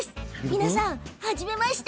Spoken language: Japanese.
皆さんはじめまして。